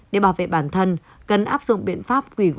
để bảo vệ bản thân cần áp dụng biện pháp quỳ ngũ